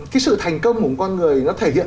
cái sự thành công của con người nó thể hiện